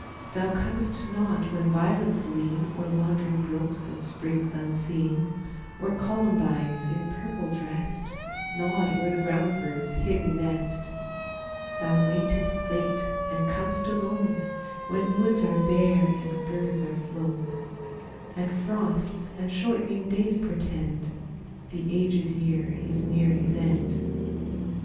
Thou comest not when violets lean O'er wandering brooks and springs unseen, Or columbines in purple dressed, Nod o'er the ground bird's hidden nest. Thou waitest late, and com'st alone, When woods are bare and birds are flown, And frosts and shortening days portend The aged year is near his end.